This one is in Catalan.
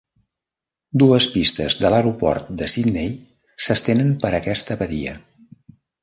Dues pistes de l'aeroport de Sydney s'estenen per aquesta badia.